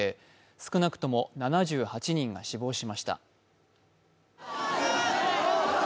少なくとも７８人が死亡しました。